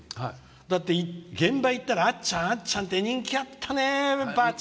だって現場、行ったら「あっちゃん、あっちゃん」って人気あったね、現場で。